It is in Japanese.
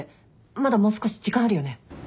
まだもう少し時間あるよね？